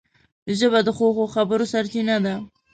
ژبه د ښو ښو خبرو سرچینه ده